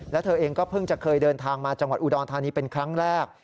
และเธอเองก็เพิ่งจะเคยเดินทางมาจังหวัดอุดรธานีเป็นครั้งแรก